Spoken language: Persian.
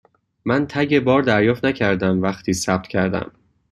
من تگ بار دریافت نکردم وقتی ثبت کردم.